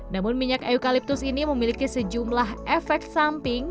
namun minyak eukaliptus ini memiliki sejumlah efek samping